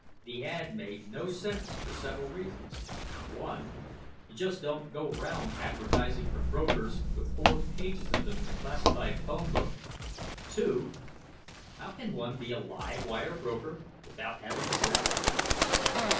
The ad made no sense for several reasons. One: you just don't go around advertising for brokers with four pages of them in the classified phone book. Two: how can one be a live wire broker, without having to sell?